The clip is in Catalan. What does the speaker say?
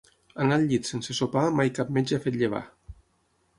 Anar al llit sense sopar mai cap metge ha fet llevar.